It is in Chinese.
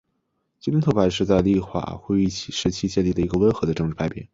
吉伦特派是在立法议会时期建立的一个温和的政治派别。